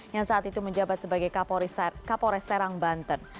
yang saat itu menjabat sebagai kapolres serang banten